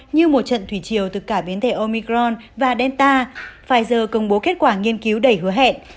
như một trận thủy triều từ cả biến thể omicron và delta pfizer công bố kết quả nghiên cứu đầy hứa hẹn